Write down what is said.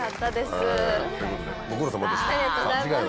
ご苦労さまでした。